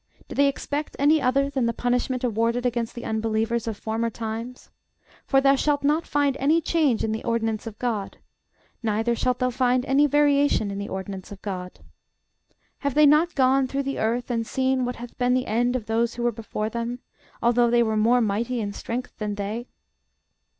Do they expect any other than the punishment awarded against the unbelievers of former times? For thou shalt not find any change in the ordinance of GOD; neither shalt thou find any variation in the ordinance of GOD. Have they not gone through the earth, and seen what hath been the end of those who were before them; although they were more mighty in strength than they?